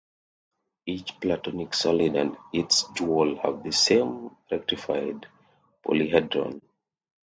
Each platonic solid and its dual have the same rectified polyhedron.